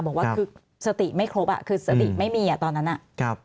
บอกว่าคือสติไม่ครบคือสติไม่มีตอนนั้น